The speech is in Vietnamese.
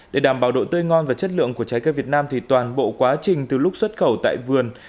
để đảm bảo độ tươi ngon và chất lượng của trái cây việt nam thì toàn bộ quá trình từ lúc xuất khẩu tại vườn